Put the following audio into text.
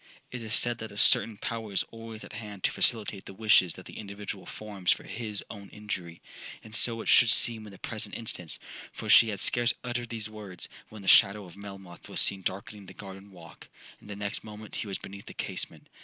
'It is said that a certain power is always at hand to facilitate the wishes that the individual forms for his own injury; and so it should seem in the present instance,—for she had scarce uttered these words, when the shadow of Melmoth was seen darkening the garden walk,—and the next moment he was beneath the casement.